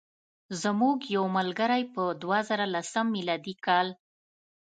زموږ یو ملګری په دوه زره لسم میلادي کال.